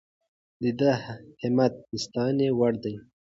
د ده همت د ستاینې وړ دی.